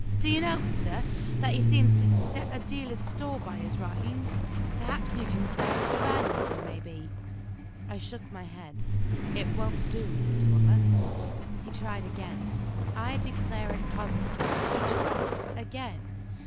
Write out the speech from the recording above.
"Do you notice, sir, that he seems to set a deal of store by his writings? Perhaps you can say what the value of them may be?" I shook my head. "It won't do, Mr. Toller!" He tried again I declare it positively, he tried again.